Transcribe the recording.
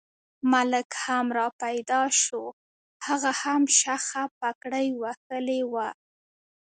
ملک هم را پیدا شو، هغه هم شخه پګړۍ وهلې وه.